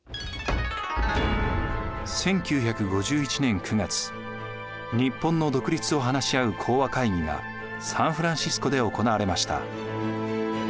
１９５１年９月日本の独立を話し合う講和会議がサンフランシスコで行われました。